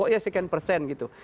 ya sekian persen gitu